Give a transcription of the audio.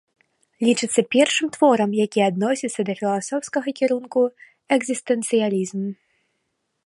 Лічыцца першым творам, які адносіцца да філасофскага кірунку экзістэнцыялізм.